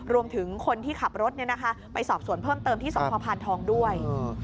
รวมถึงคนที่ขับรถไปสอบสวนเพิ่มเติมที่สพพานทองด้วย